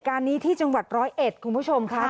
การนี้ที่จังหวัดร้อยเอ็ดคุณผู้ชมค่ะ